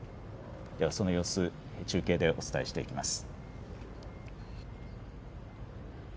では、その様子、中継でお伝えしていきます。